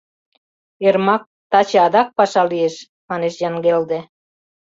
— Эрмак, таче адак паша лиеш, — манеш Янгелде.